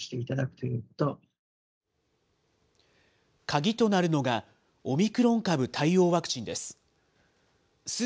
鍵となるのが、オミクロン株対応ワクチンです。